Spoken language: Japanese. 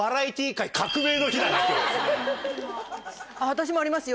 私もありますよ。